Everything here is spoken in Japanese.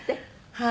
はい。